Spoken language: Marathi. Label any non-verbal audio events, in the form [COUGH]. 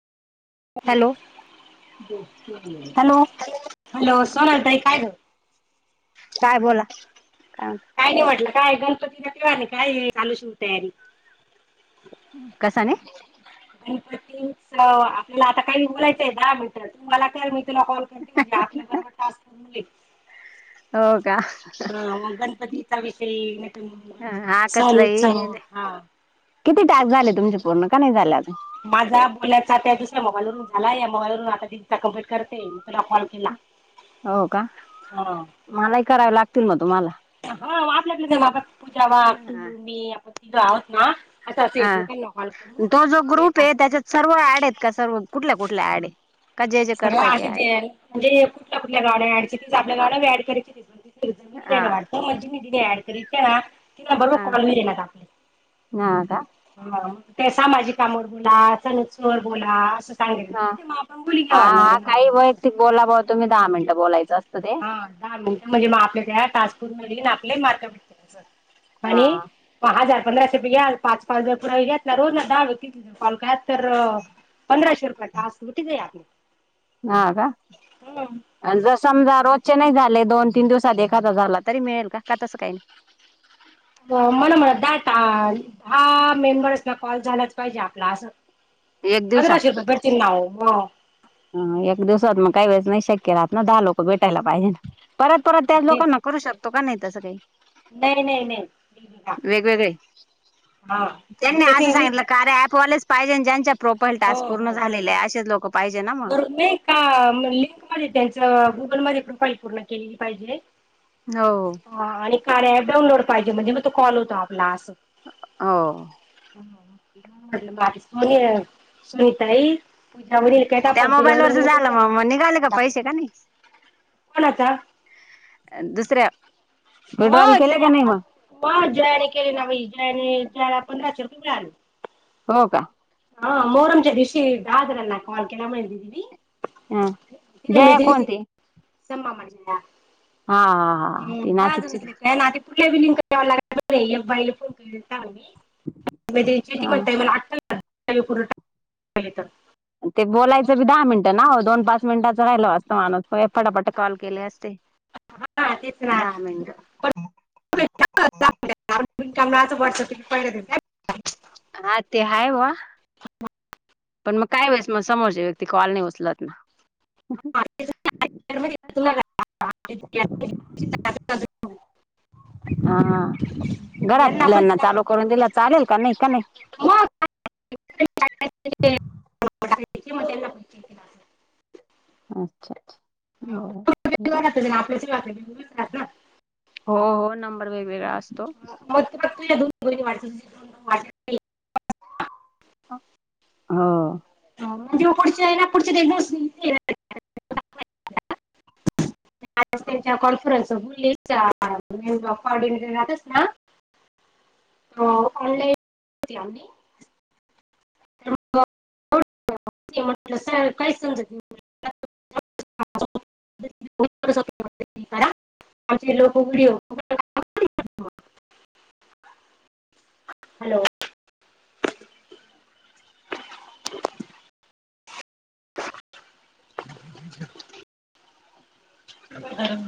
हॅलो हॅलो हॅलो सोनाली ताई काय ग काय बोला काय नाही म्हटलं काय गणपतीला ठव नाही काय चालू शुट तयारी कसाने गणपतीचं आपल्याला आता काही बोलायचंय दहा मिनिटं तुमाला काय माहिती तीला कॉल करते म्हणजे, आपल्या बरोबर टास्क करून घेईल. हो का. गीता विषयी नही त मं हा सण उत्सव कसलाही हा. किती तास झाले तुमचे पूर्ण, का नाही झाले. अजून माझा बोलायचा त्या दुसऱ्या मोबाईलवरून झाला या मोबाईल वरून आता दीदी चां कम्प्लीट करते मी. तुला कॉल केला हो का हा मलाही करावे लागतील मग तुम्हाला. हा. आपल्या आपल्यात [INAUDIBLE] पूजा वा तू ह मी आपण तिघ आहोत ना असं असं हा एकमेकींना कॉल करू तो जो आणि ग्रुप हे टास्क त्याच्यात सर्व ऍड आहेत का सर्व कुठल्या कुठल्या ऍड हे सगळ्या आठीजन म्हणजे कुठल्या कुठल्या गाड्या आहे किती आपल्या गाड्या बी ऍड केल्या किती [INAUDIBLE] जमिनी [INAUDIBLE] हा दुसऱ्याका वाटतं मग जिने जिने ऍड करीत. तिला धरू हा नको मला व्हिडिओ ला टाकलाय. हा का कोणाला. ते सामाजिक कामं बोला चणचोवर बोला असं सागितलं. म ते बोली हा घ्यावा ना हा काही असं वैयतिक बोला बुवा तुम्ही दहामिनट बोलायचं आस हा दहा मिनट म्हणजे म आपले त्या टास्क होतील आपलेला मार्क भेटतील आस हा आणि प हजार पंधराशे बी घ्याल पाच पाच बी घ्याल रोज ना दहा व्यक्तीना तर कॉल करायचं तर पंधराशे रुपये टास्क होती का नाय आधी हा का आन जसा समजा रोजचे नाही झाले दोन तीन दिवसात एखादा झाला तरी मिळेल का का तसं काही नाही मला म्हण काय ता दहा मेंबर्सला कॉल झालाच पाहिजे आपला असं नाही एक दिवसात पंधराशे रुपये पडतील नावावर ह ह एक दिवसात मग काही वेळेस नाही शक्य राहत ना दहा लोक भेटायला पाहिजे ना परत परत त्याच तेच लोकांना करू शकतो. का नाही तसं काही नाही नाही नाही निकिता वेगवेगळे. त्यांनी असं सांगितलं का रे ऍपवालेच पाहिजे ज्यांच्या प्रोपााईल टास्क पूर्ण झाले आहे असेच लोक पाहिजे ना मग. वरून नाही का लिंकमध्ये त्यांचं गुगलमध्ये प्रोफाइल पूर्ण केलेली पाहिजे हो हा आणि ॲप डाऊलोड पाहिजे म्हणजे म तो कॉल होतो आपलां आस हो मला वाटलं माझ. सोनी अ सुनीता ताई हा. पूजवानी उरकायचा त्या फोन मोबाईल पूजवानी वरच मी झालं मग मग निघाले का बी पैसे का नाही [INAUDIBLE] कोणाचा दुसऱ्या म विड्रॉल केले जया का नाही मग म जयान केलेला मी जयाने जायला पंधराशे रुपये मिळाले हो का हा मोहरम च्या दिवशी दहा जणांना कॉल केला म्हणत होती ती ह जया कोणती सम मामांची नात हा हा हा हा. ती हम नाशिकची का? दहाजणातले काही लगत नाही कुठल्या बी लिंक वाल्याला लागत नाहीत या फाईली कंप्लीट केलत्या आम्ही म त्यांची ती हा. म्हणत्या म्हण अठ्ठावीस पूर्ण टाकले तर ते बोलायचं बी दहा मिनिटं ना हो दोन पाच मिनिटाचं राहिलं बाजूला [INAUDIBLE] पटापटा कॉल केले असते हा तेच ना दहा मिनिट पण पण कामून असं वाटतं की पहिल्या अन हा ते हाय बुवा पण मग काय वेळेस मग समोरची व्यक्ती कॉल नाही उचलत ना बाकीच्यांचं आयात पाहिजे [INAUDIBLE] तुला काय [INAUDIBLE] हा यांना पण ते घरातल्यांना चालू करून दिला चालेल का नाही का नाही मग [INAUDIBLE] अच्छा आच्छा आपल्या [INAUDIBLE] हो हो नंबर वेगवेगळा असतो मग दोन बहिणी [INAUDIBLE] हो म्हणजे पुढचे आहे ना पुढचे तेस आज त्यांच्या कॉन्फरन्स बोलली म कॉऑर्डिनेटर राहतस ना ऑनलाईन म्हटलंर काय समजत हा आमचे लोक उघड हॅलो [UNINTELLIGIBLE] हॅलो